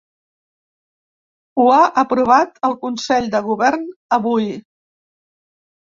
Ho ha aprovat el consell de govern avui.